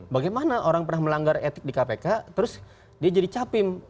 bagaimana orang pernah melanggar etik di kpk terus dia jadi capim